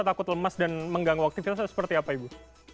takut lemas dan mengganggu aktivitas atau seperti apa ibu